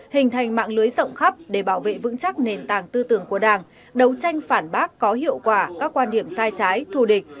hình thành mạng lưới rộng khắp để bảo vệ vững chắc nền tảng tư tưởng của đảng đấu tranh phản bác có hiệu quả các quan điểm sai trái thù địch